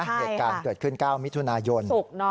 เหตุการณ์เกิดขึ้น๙มิถุนายน